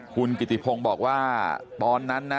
คุณกิติพงศ์บอกว่าตอนนั้นนะ